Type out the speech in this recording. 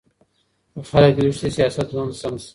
که خلګ ويښ سي سياست به هم سم سي.